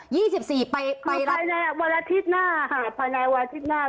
ยี่สิบสี่ไปไปรับวันอาทิตย์หน้าฮะภายในวันอาทิตย์หน้า